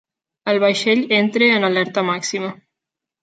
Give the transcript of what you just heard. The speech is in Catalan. El vaixell entra en alerta màxima.